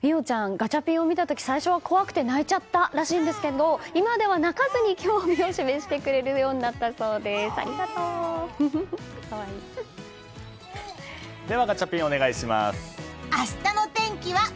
ガチャピンを見た時最初は怖くて泣いちゃったらしいんですが今では泣かずに興味を示してくれるようにではガチャピン、お願いします。